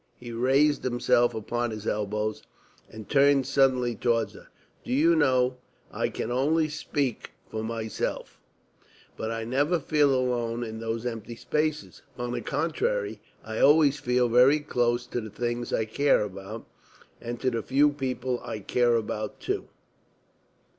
He raised himself upon his elbow and turned suddenly towards her. "Do you know I can only speak for myself but I never feel alone in those empty spaces. On the contrary, I always feel very close to the things I care about, and to the few people I care about too."